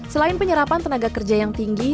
selain penyerapan tenaga kerja yang tinggi